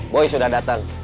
boy sudah datang